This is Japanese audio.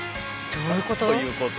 どういうこと？